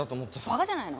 バカじゃないの？